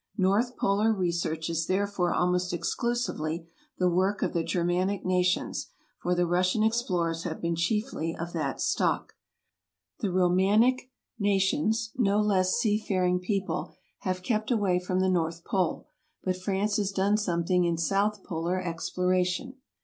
North polar research is therefore almost exclusively the work of the Germanic nations, for the Russian explorers have been chiefly of that stock. The Romanic nations, no less seafaring people, have kept away from the north pole ; but France has done something in south polar exploration.